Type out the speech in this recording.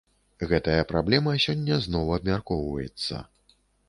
Гэтая праблема сёння зноў абмяркоўваецца.